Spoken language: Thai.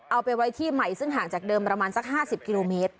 เอาไปไว้ที่ใหม่ซึ่งห่างจากเดิมประมาณสัก๕๐กิโลเมตร